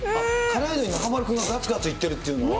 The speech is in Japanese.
辛いのに、中丸君ががつがついってるっていうのは。